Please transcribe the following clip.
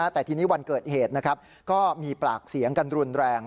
แต่ทีนี้วันเกิดเหตุก็มีปากเสียงกันรุนแรง